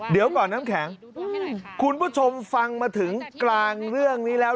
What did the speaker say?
เดี๋ยวก่อนน้ำแข็งคุณผู้ชมฟังมาถึงกลางเรื่องนี้แล้ว